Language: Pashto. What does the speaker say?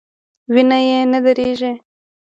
وینه یې نه دریږي.